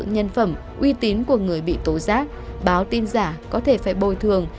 nhân phẩm uy tín của người bị tố giác báo tin giả có thể phải bồi thường